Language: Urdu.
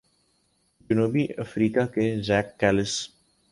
جنوب افریقہ کے ژاک کیلس